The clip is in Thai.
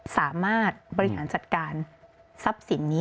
สามารถบริหารจัดการทรัพย์สินนี้